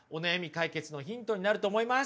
解決のヒントになると思います。